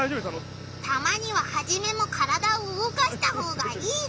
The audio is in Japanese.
たまにはハジメも体をうごかしたほうがいいぞ！